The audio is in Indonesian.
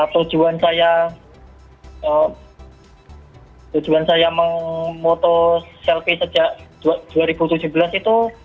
tujuan saya tujuan saya memotoselfie sejak dua tahun